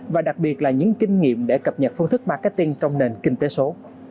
và đặc biệt là những kinh nghiệm để cập nhật phương thức marketing trong nền kinh tế số